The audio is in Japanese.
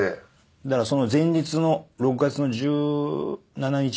だからその前日の６月の１７日？